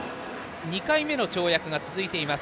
２回目の跳躍が続いています。